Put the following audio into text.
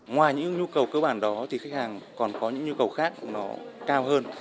ngoài những nhu cầu cơ bản đó thì khách hàng còn có những nhu cầu khác nó cao hơn